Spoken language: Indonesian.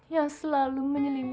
yang selalu menyelimati dirimu